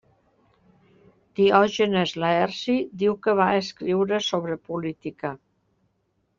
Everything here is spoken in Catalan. Diògenes Laerci diu que va escriure sobre política.